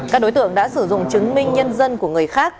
các đối tượng đã sử dụng chứng minh nhân dân của người khác